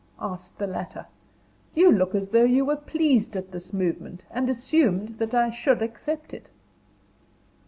asked the latter; "you look as though you were pleased at this movement, and assumed that I should accept it."